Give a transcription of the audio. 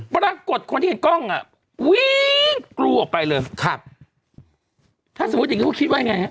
พระรักษ์กดที่คนที่เห็นกล้องอ่ะกูออกไปเลยถ้าสมมุติว่าคิดว่ายังไง